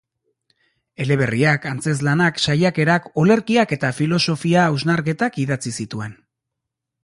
Eleberriak, antzezlanak, saiakerak, olerkiak eta filosofia hausnarketak idatzi zituen.